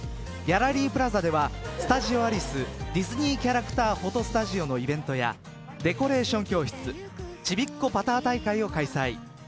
ギャラリープラザではスタジオアリスディズニーキャラクターフォトスタジオのイベントやデコレーション教室ちびっこパター大会を開催。